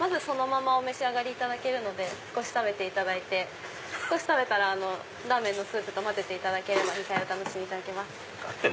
まずそのまま少し食べていただいて少し食べたらラーメンのスープと混ぜていただければ２回お楽しみいただけます。